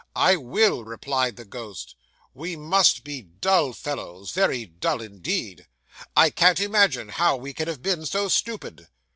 "I will," replied the ghost; "we must be dull fellows very dull fellows, indeed; I can't imagine how we can have been so stupid."